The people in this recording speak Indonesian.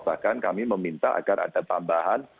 bahkan kami meminta agar ada tambahan